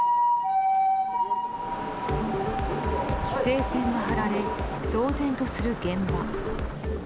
規制線が張られ騒然とする現場。